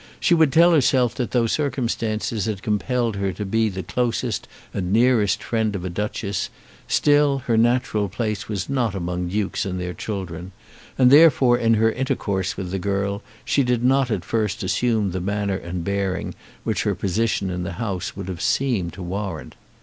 She would tell herself that though circumstances had compelled her to be the closest and nearest friend of a Duchess, still her natural place was not among dukes and their children, and therefore in her intercourse with the girl she did not at first assume the manner and bearing which her position in the house would have seemed to warrant.